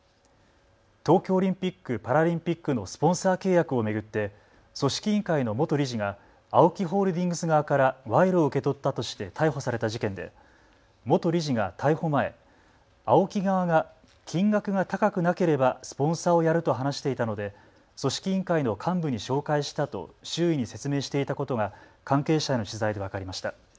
東京オリンピック・パラリンピックのスポンサー契約を巡って組織委員会の元理事がＡＯＫＩホールディングス側から賄賂を受け取ったとして逮捕された事件で元理事が逮捕前、ＡＯＫＩ側が金額が高くなければスポンサーをやると話していたので組織委員会の幹部に紹介したと周囲に説明していたことが関係者への取材で分かりました。